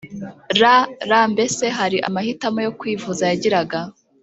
rr Mbese hari amahitamo yo kwivuza wagiraga